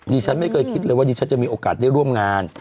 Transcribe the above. ฉันไม่เคยคิดเลยว่าดิฉันจะมีโอกาสได้ร่วมงาน